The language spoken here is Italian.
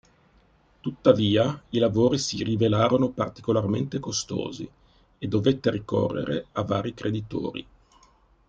Tuttavia i lavori si rivelarono particolarmente costosi e dovette ricorrere a vari creditori.